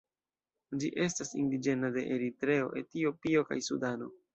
Ĝi estas indiĝena de Eritreo, Etiopio, kaj Sudano.